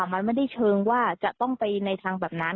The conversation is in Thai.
มันไม่ได้เชิงว่าจะต้องไปในทางแบบนั้น